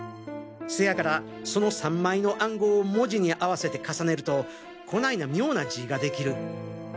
せやからその３枚の暗号を文字に合わせて重ねるとこないな妙な字ィが出来る。